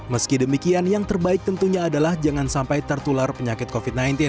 meski demikian yang terbaik tentunya adalah jangan sampai tertular penyakit covid sembilan belas